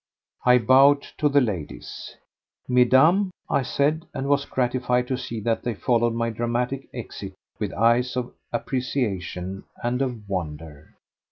I bowed to the ladies. "Mesdames," I said, and was gratified to see that they followed my dramatic exit with eyes of appreciation and of wonder.